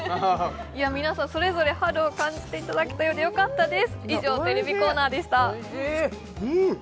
皆さん、それぞれ春を感じていただけたようでよかったです。